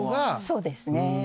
そうですね。